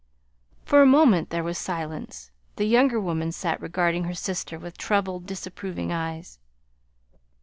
For a moment there was silence. The younger woman sat regarding her sister with troubled, disapproving eyes.